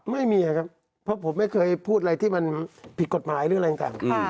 ไม่มีครับเพราะผมไม่เคยพูดอะไรที่มันผิดกฎหมายหรืออะไรต่าง